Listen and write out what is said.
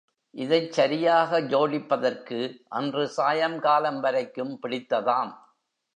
இதைச் சரியாக ஜோடிப்பதற்கு அன்று சாயங்காலம் வரைக்கும் பிடித்ததாம்.